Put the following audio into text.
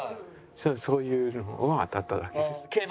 そういうのが当たっただけです。